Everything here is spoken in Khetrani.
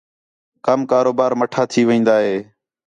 کم کاروبار مَٹّھا تھی وین٘دا ہِے